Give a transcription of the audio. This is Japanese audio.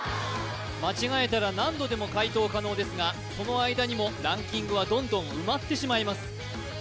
間違えたら何度でも解答可能ですがその間にもランキングはどんどん埋まってしまいます